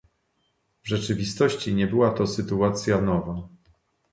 W rzeczywistości nie była to sytuacja nowa